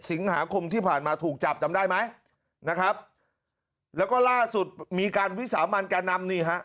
สิงหาคมที่ผ่านมาถูกจับจำได้ไหมนะครับแล้วก็ล่าสุดมีการวิสามันแก่นำนี่ฮะ